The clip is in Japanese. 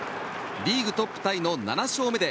リーグトップタイの７勝目で